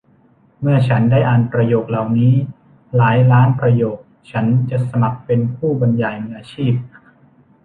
เมื่อฉันได้อ่านประโยคเหล่านี้หลายล้านประโยคฉันจะสมัครเป็นผู้บรรยายมืออาชีพ